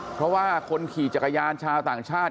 เพราะว่าคนขี่จักรยานชาวต่างชาติ